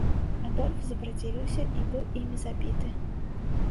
Адольф запрацівіўся і быў імі забіты.